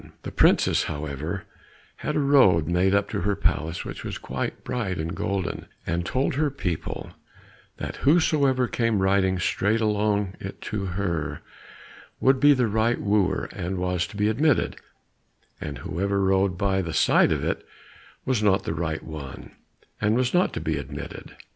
The princess, however, had a road made up to her palace which was quite bright and golden, and told her people that whosoever came riding straight along it to her, would be the right wooer and was to be admitted, and whoever rode by the side of it, was not the right one, and was not to be admitted.